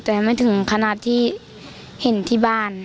แต่ไม่ถึงขนาดที่เห็นที่บ้าน